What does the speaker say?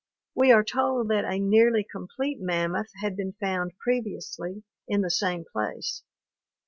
We are told that a nearly complete mammoth had been found previously in the same place.